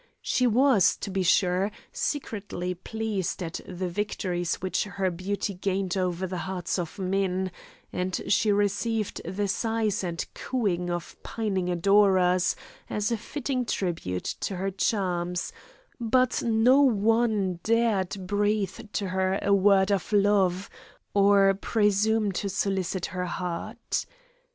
She was, to be sure, secretly pleased at the victories which her beauty gained over the hearts of men, and she received the sighs and cooing of pining adorers, as a fitting tribute to her charms, but no one dared breathe to her a word of love, or presume to solicit her heart.